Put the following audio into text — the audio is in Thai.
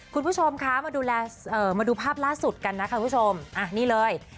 คุณผู้ชมค่ะมาดูภาพล่าสุดกันนะคะคุณผู้ชมอ่ะนี่เลย